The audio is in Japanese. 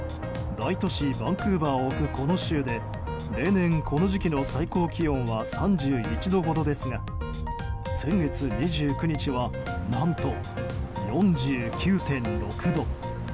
大都市バンクーバーを置くこの州で例年、この時期の最高気温は３１度ほどですが先月２９日は何と４９．６度。